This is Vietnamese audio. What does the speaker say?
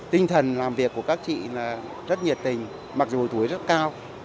tinh thần làm việc của các chị là rất nhiệt tình mặc dù tuổi rất cao